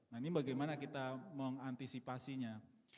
nah ini bagaimana kita mengantisipasinya